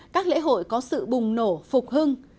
các lễ hội có sự bùng nổ phục hưng